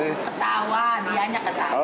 ketawa dianya ketawa